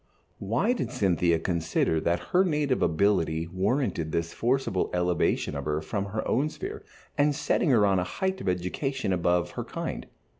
Why did Cynthia consider that her native ability warranted this forcible elevation of her from her own sphere and setting her on a height of education above her kind?